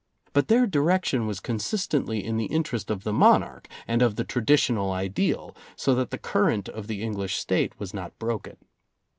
But their direction was con sistently in the interest of the monarch and of the traditional ideal, so that the current of the English State was not broken.